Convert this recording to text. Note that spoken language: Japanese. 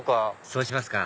そうしますか